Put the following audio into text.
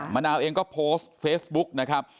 มะนาวเองก็โพสต์เฟซบุ๊กนะครับ